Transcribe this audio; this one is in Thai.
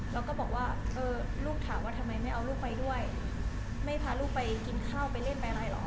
แล้วก็บอกว่าเออลูกถามว่าทำไมไม่เอาลูกไปด้วยไม่พาลูกไปกินข้าวไปเล่นไปอะไรเหรอ